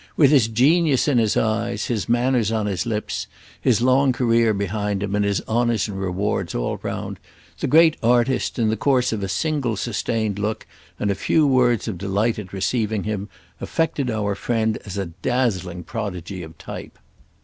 With his genius in his eyes, his manners on his lips, his long career behind him and his honours and rewards all round, the great artist, in the course of a single sustained look and a few words of delight at receiving him, affected our friend as a dazzling prodigy of type.